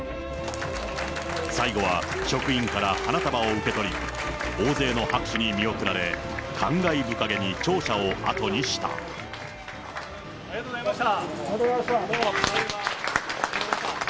最後は職員から花束を受け取り、大勢の拍手に見送られ、ありがとうございました。